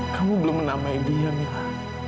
kamu belum menamai dia nih